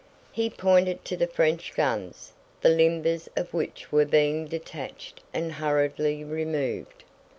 He pointed to the French guns, the limbers of which were being detached and hurriedly removed.